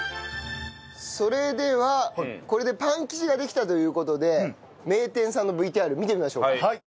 それではこれでパン生地ができたという事で名店さんのＶＴＲ見てみましょうか。